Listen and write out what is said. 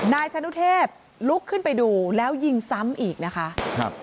นายชะนุเทพลุกขึ้นไปดูแล้วยิงซ้ำอีกนะคะครับ